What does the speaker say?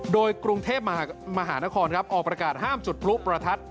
โดยกรุงเทพมหานครออกประกาศห้ามจุดพลุประทัด